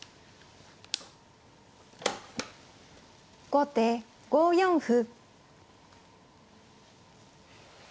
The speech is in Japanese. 後手５四歩。